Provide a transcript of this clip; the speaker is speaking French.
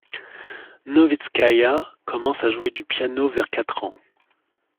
Novitskaïa commence à jouer du piano vers quatre ans.